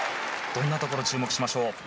どんなところに注目しましょう？